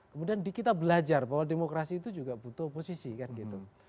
kemudian kita belajar bahwa demokrasi itu juga butuh oposisi kan gitu